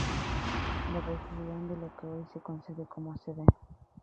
La región de lo que hoy se conoce como Cd.